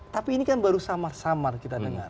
tapi ini kan baru samar samar kita dengar